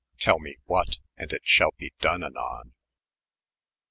" Tell me what, and it shalbe done anon."